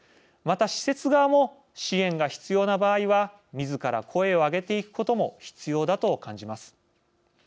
また、施設側も支援が必要な場合はみずから声を上げていくことも必要だと感じます。